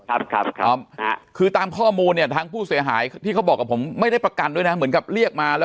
ออกไปเลยอย่างนั้นครับเดี๋ยวผมขอเรียกผู้กลับเอาข้อมูลไปดูนิดหนึ่งนะฮะ